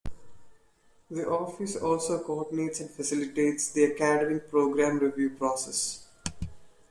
The office also coordinates and facilitates the academic program review process.